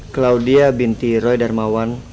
claudia binti roy darmawan